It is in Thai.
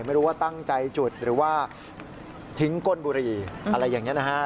ไม่รู้ว่าตั้งใจจุดหรือว่าทิ้งก้นบุหรี่อะไรอย่างนี้นะฮะ